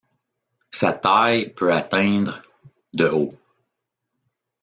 Sa taille peut atteindre de haut.